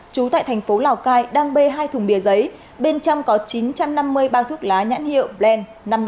trú tại tp lào cai đang bê hai thùng bia giấy bên trong có chín trăm năm mươi bao thuốc lá nhãn hiệu blen năm trăm năm mươi năm